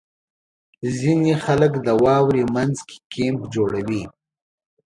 • ځینې خلک د واورې مینځ کې کیمپ جوړوي.